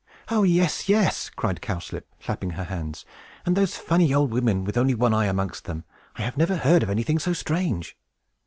"Oh, yes, yes!" cried Cowslip, clapping her hands. "And those funny old women, with only one eye amongst them! I never heard of anything so strange."